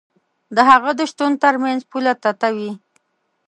د هغه د شتون تر منځ پوله تته وي.